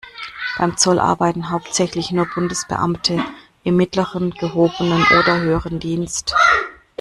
Beim Zoll arbeiten hauptsächlich nur Bundesbeamte im mittleren, gehobenen oder höheren Dienst.